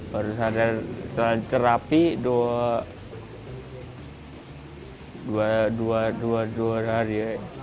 baru sadar setelah terapi dua hari